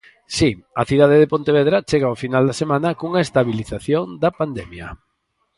Si, a cidade de Pontevedra chega ao final da semana cunha estabilización da pandemia.